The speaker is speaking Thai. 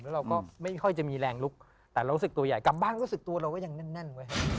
แล้วเราก็ไม่ค่อยจะมีแรงลุกแต่เรารู้สึกตัวใหญ่กลับบ้านก็รู้สึกตัวเราก็ยังแน่นเว้ย